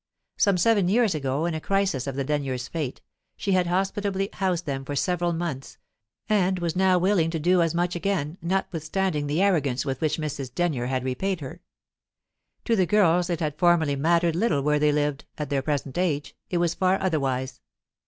Some seven years ago, in a crisis of the Denyers' fate, she had hospitably housed them for several months, and was now willing to do as much again, notwithstanding the arrogance with which Mrs. Denyer had repaid her. To the girls it had formerly mattered little where they lived; at their present age, it was far otherwise.